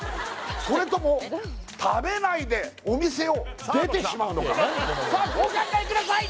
それとも食べないでお店を出てしまうのかさあお考えください！